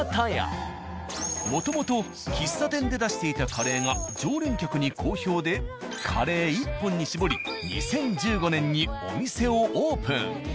もともと喫茶店で出していたカレーが常連客に好評でカレー１本に絞り２０１５年にお店をオープン。